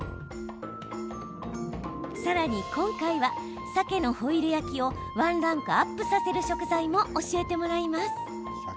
さらに今回はさけのホイル焼きをワンランクアップさせる食材も教えてもらいます。